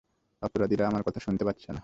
অপরাধীরা আমার কথা শুনতে পাচ্ছে না।